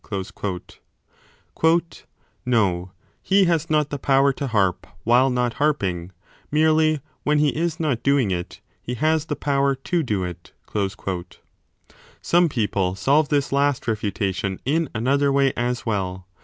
2 5 No : he has not the power to harp while not harping ; merely, when he is not doing it, he has the power to do it. 1 Some people solve this last refutation in another way as well.